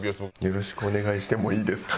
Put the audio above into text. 「よろしくお願いしてもいいですか？」